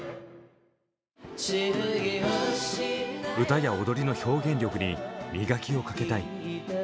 「歌や踊りの表現力に磨きをかけたい」。